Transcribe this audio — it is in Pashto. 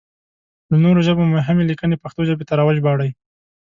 له نورو ژبو مهمې ليکنې پښتو ژبې ته راوژباړئ!